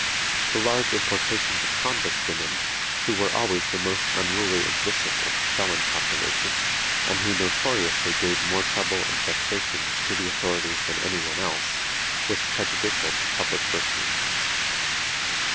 The large importations of convict women, who were always the most unruly and vicious of the felon population, and who notoriously gave more trouble and vexation to the authorities than any one else, was prejudicial to public virtue.